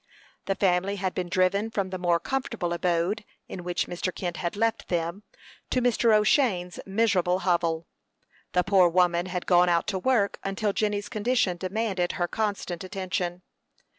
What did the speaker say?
The family had been driven from the more comfortable abode, in which Mr. Kent had left them, to Mr. O'Shane's miserable hovel. The poor woman had gone out to work until Jenny's condition demanded her constant attention.